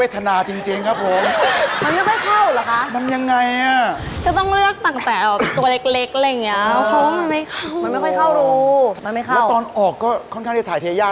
ถ้าเต็มร้อยผมให้๒๐๐เลย